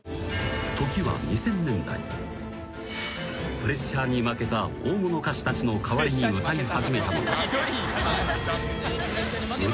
［プレッシャーに負けた大物歌手たちの代わりに歌い始めたのが］